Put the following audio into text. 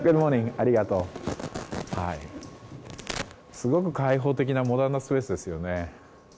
すごく開放的なモダンなスペースですよね。